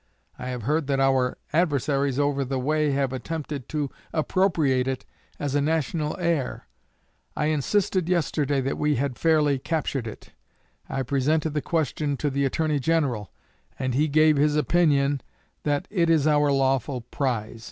I have heard that our adversaries over the way have attempted to appropriate it as a national air. I insisted yesterday that we had fairly captured it. I presented the question to the Attorney General, and he gave his opinion that it is our lawful prize.